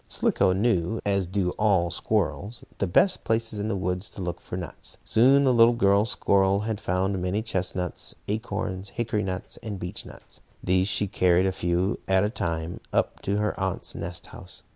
Slicko knew, as do all squirrels, the best places in the woods to look for nuts. Soon the little girl squirrel had found many chestnuts, acorns, hickory nuts and beech nuts. These she carried, a few at a time, up to her aunt's nest house.